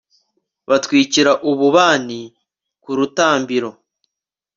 batwikira ububani ku rutambiro